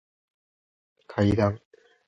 階段